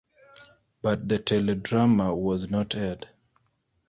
But the teledrama was not aired.